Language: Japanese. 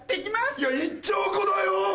いや１兆個だよ？